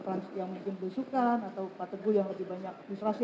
apakah yang mungkin disukai atau pak teguh yang lebih banyak distrasi